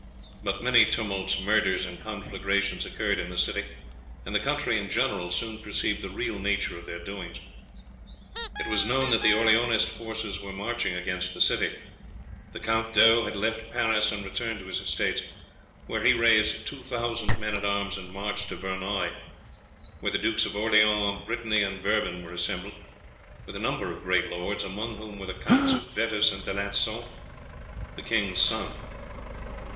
But many tumults, murders, and conflagrations occurred in the city, and the country in general soon perceived the real nature of their doings. It was known that the Orleanist forces were marching against the city. The Count d'Eu had left Paris and returned to his estates, where he raised two thousand men at arms and marched to Verneuil, where the Dukes of Orleans, Brittany, and Bourbon were assembled, with a number of great lords, among whom were the Counts of Vettus and D'Alençon, the king's sons.